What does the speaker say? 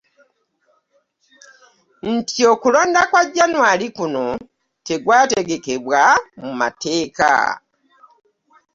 Nti okulonda kwa Jjanwali kuno, tekwategekebwa mu mateeka